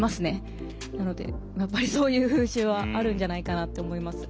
なのでやっぱりそういう風習はあるんじゃないかなって思います。